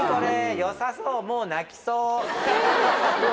よさそう、もう泣きそう。